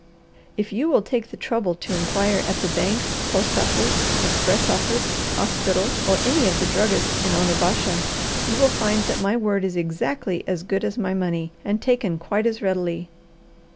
"If you will take the trouble to inquire at the banks, post office, express office, hospital or of any druggist in Onabasha, you will find that my word is exactly as good as my money, and taken quite as readily."